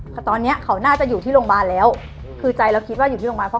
เพราะตอนนี้เขาน่าจะอยู่ที่โรงพยาบาลแล้วคือใจเราคิดว่าอยู่ที่โรงพยาบาลเพราะ